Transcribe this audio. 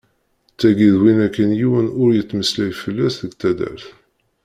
Tagi d win akken yiwen ur d-yettmeslay fell-as deg taddart.